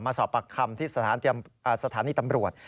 สอบปากคำที่สถานีตำรวจ